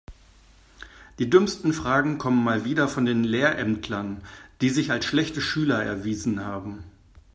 Die dümmsten Fragen kommen mal wieder von den Lehrämtlern, die sich als schlechte Schüler erwiesen haben.